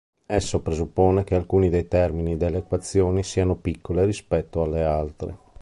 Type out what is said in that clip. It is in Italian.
Esso presuppone che alcuni dei termini delle equazioni siano piccole rispetto alle altre.